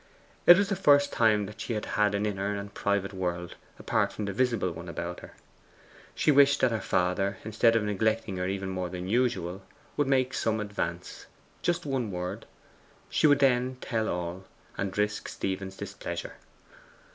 It was the first time that she had had an inner and private world apart from the visible one about her. She wished that her father, instead of neglecting her even more than usual, would make some advance just one word; she would then tell all, and risk Stephen's displeasure.